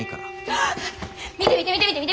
見て見て見て見て！